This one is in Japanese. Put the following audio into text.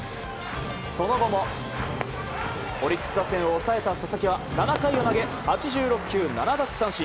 その後もオリックス打線を抑えた佐々木は７回を投げ８６球７奪三振。